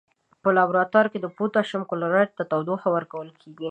په لابراتوار کې پوتاشیم کلوریت ته تودوخه ورکول کیږي.